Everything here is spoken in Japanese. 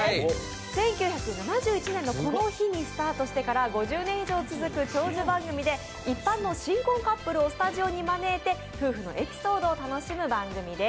１９７１年のこの日にスタートしてから５０年以上続く長寿番組で一般の新婚カップルをスタジオに招いて夫婦のエピソードを楽しむ番組です。